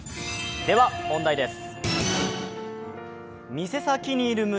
では問題です。